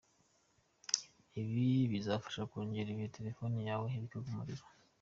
Ibi bikazafasha kongera igihe telefone yawe yabikagamo umuriro.